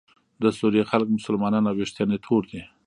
د سوریې خلک مسلمانان او ویښتان یې تور دي.